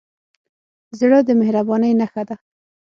زړه د مهربانۍ نښه ده.